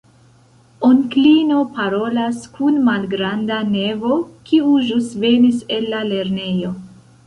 Onklino parolas kun malgranda nevo, kiu ĵus venis el la lernejo.